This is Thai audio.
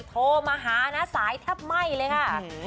โทรมาหานะสายถ้าไม่เลยค่ะ